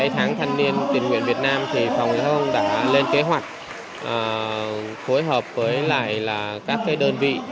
tuyên nguyện việt nam phòng giao thông đã lên kế hoạch phối hợp với các đơn vị